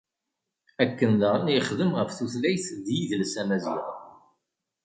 Akken daɣen yexdem ɣef tutlayt d yidles amaziɣ.